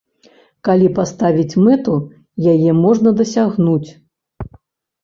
Калі паставіць мэту, яе можна дасягнуць.